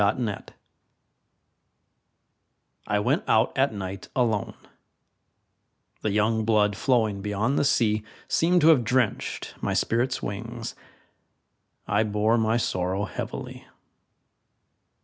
Winter Stars I went out at night alone; The young blood flowing beyond the sea Seemed to have drenched my spirit's wings I bore my sorrow heavily.